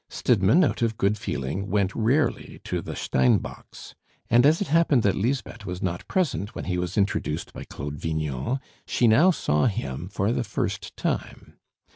Stidmann, out of good feeling, went rarely to the Steinbocks'; and as it happened that Lisbeth was not present when he was introduced by Claude Vignon, she now saw him for the first time.